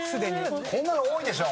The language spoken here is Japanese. こんなの多いでしょ。